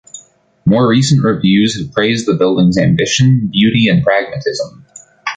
More recent reviews have praised the building's ambition, beauty, and pragmatism.